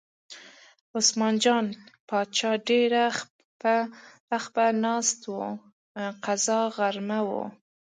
عثمان جان باچا ډېر خپه ناست و، قضا غرمه وه.